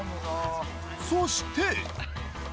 そして。